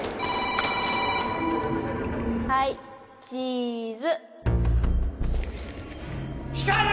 はいチーズ光莉！